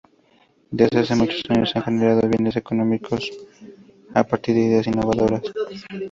Desde hace muchos años se han generado bienes económicos a partir de ideas innovadoras.